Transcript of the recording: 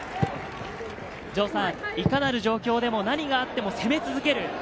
いかなる状況でも何があっても攻め続ける。